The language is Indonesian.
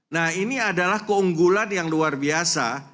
nah ini adalah keunggulan yang luar biasa